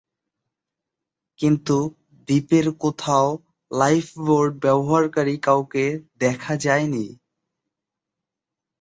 কিন্তু দ্বীপের কোথাও লাইফ বোট ব্যবহারকারী কাউকে দেখা যায়নি।